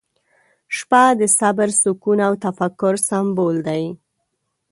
• شپه د صبر، سکون، او تفکر سمبول دی.